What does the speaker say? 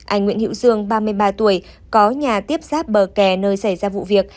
anh nguyễn hiệu dương ba mươi ba tuổi có nhà tiếp sát bờ kè nơi xảy ra vụ việc